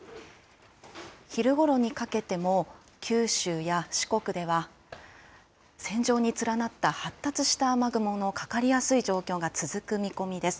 昼ごろにかけても、九州や四国では、線状に連なった発達した雨雲のかかりやすい状況が続く見込みです。